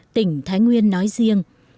tỉnh thái nguyên nói riêng